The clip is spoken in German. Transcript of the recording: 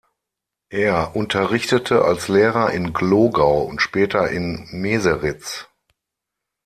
Er unterrichtete als Lehrer in Glogau und später in Meseritz.